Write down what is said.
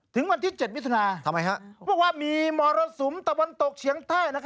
ถึงวันที่๗มิถุนาบอกว่ามีมรสุมตะวันตกเฉียงใต้